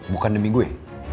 bukan demi gue